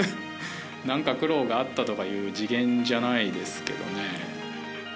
苦労があったとかいう次元じゃないですけどね。